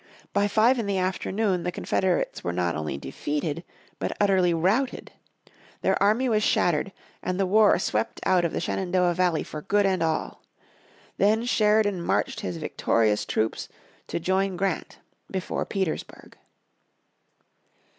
By five in the afternoon the Confederates were not only defeated, but utterly routed. Their army was shattered and the war swept out of the Shenandoah Valley for good and all. Then Sheridan marched his victorious troops to join Grant before Petersburg.